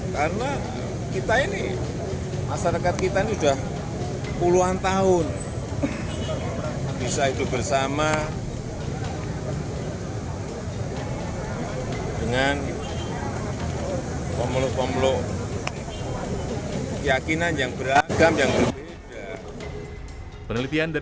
karena kita ini masyarakat kita ini sudah puluhan tahun bisa hidup bersama dengan pemeluk pemeluk keyakinan yang beragam yang berbeda